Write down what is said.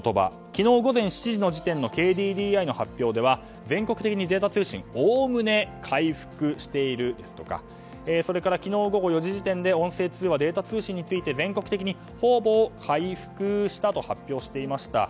昨日午前７時の時点のＫＤＤＩの発表では全国的にデータ通信「おおむね」回復しているとかそれから昨日午後４時時点で音声通話やデータ通信について全国的に「ほぼ」回復したと発表していました。